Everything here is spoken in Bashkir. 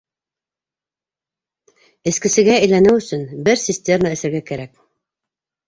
Эскесегә әйләнеү өсөн бер цистерна эсергә кәрәк.